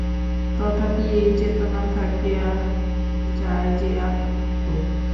তথাপি এই চেতনা থাকিয়া যায় যে, আমি মুক্ত।